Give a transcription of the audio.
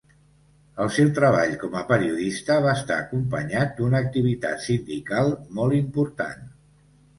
El seu treball com a periodista va estar acompanyat d'una activitat sindical molt important.